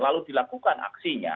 lalu dilakukan aksinya